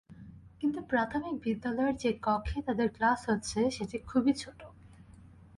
কিন্তু প্রাথমিক বিদ্যালয়ের যে কক্ষে তাদের ক্লাস হচ্ছে, সেটি খুবই ছোট।